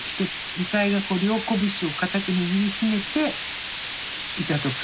「遺体が両こぶしを固く握りしめていた」とか。